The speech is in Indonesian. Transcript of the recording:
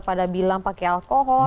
pada bilang pakai alkohol